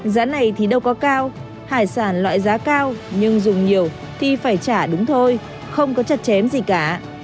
giá này thì đâu có cao hải sản loại giá cao nhưng dùng nhiều thì phải trả đúng thôi không có chặt chém gì cả